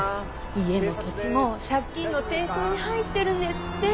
家も土地も借金の抵当に入ってるんですって。